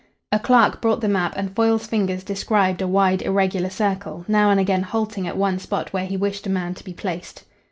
A clerk brought the map, and Foyle's fingers described a wide, irregular circle, now and again halting at one spot where he wished a man to be placed.